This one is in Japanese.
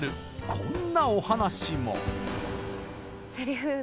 こんなお話も。